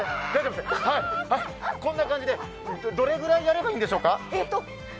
こんな感じで、どれくらいやればいいんでしょうか。